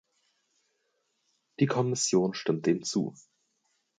Die Kommission stimmt dem zu.